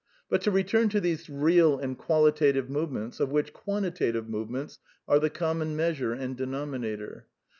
But to return to these real and qualitative movements of which quantitative movements are the common measure and denominator.